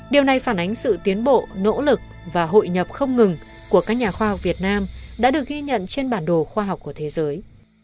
điều này phản ánh sự tiến bộ nỗ lực và hội nhập không ngừng của các nhà khoa học việt nam đã được ghi nhận trên bản đồ khoa học của thế giới